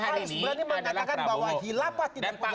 harus mengatakan bahwa hilafah tidak punya